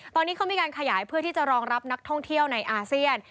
ตอนนี้เขามีการขยายเพื่อที่จะรองรับนักท่องเที่ยวในอาเซียน